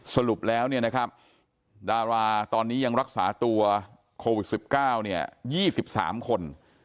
สรุปแล้วดาราตอนนี้ยังรักษาตัวโควิด๑๙๒๓คน